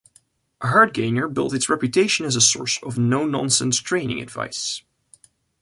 "Hardgainer" built its reputation as a source of no-nonsense training advice.